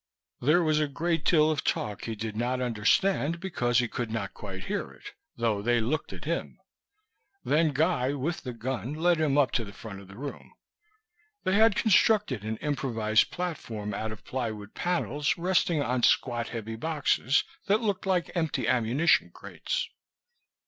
There was a great deal of talk he did not understand because he could not quite hear it, though they looked at him. Then Guy, with the gun, led him up to the front of the room. They had constructed an improvised platform out of plywood panels resting on squat, heavy boxes that looked like empty ammunition crates.